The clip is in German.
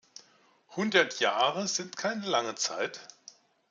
Hundert Jahre sind keine lange Zeit.